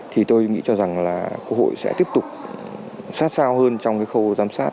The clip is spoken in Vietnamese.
thì tôi nghĩ cho rằng là quốc hội sẽ tiếp tục sát sao hơn trong cái khâu giám sát